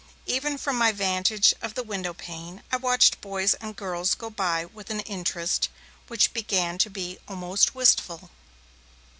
Even from my vantage of the window pane, I watched boys and girls go by with an interest which began to be almost wistful.